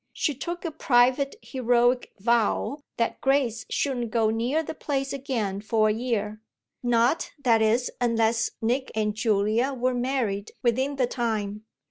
She took a private heroic vow that Grace shouldn't go near the place again for a year; not, that is, unless Nick and Julia were married within the time.